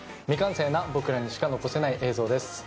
未完成な僕らにしか残せない作品です。